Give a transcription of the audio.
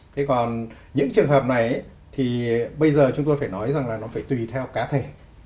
thế còn những trường hợp này thì bây giờ chúng tôi phải nói rằng là nó phải tùy theo cá thể